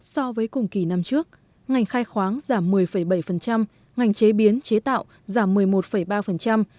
so với cùng kỳ năm trước ngành khai khoáng giảm một mươi bảy ngành chế biến chế tạo giảm một mươi một ba